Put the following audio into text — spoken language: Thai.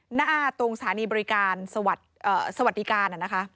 หน้าตรงสถานีบริการสวัสดิการ